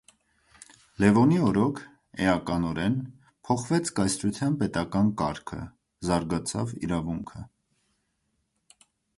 Լևոնի օրոք էականորեն փոխվեց կայսրության պետական կարգը, զարգացավ իրավունքը։